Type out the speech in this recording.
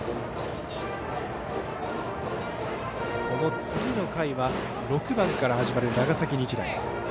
この次の回は６番から始まる長崎日大。